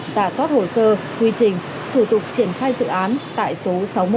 giả soát hồ sơ quy trình thủ tục triển khai dự án tại số sáu mươi một trần phú